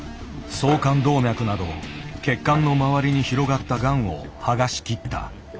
総肝動脈など血管の周りに広がったがんを剥がしきった。